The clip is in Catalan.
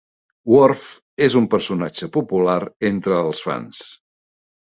Worf és un personatge popular entre els fans.